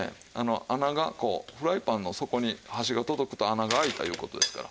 フライパンの底に箸が届くと穴が開いたいう事ですから。